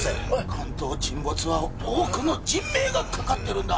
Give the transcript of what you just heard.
関東沈没は多くの人命がかかってるんだ